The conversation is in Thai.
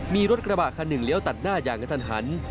มีรถกระบะคันหนึ่งเลี้ยวตัดหน้าอย่างกระทันหัน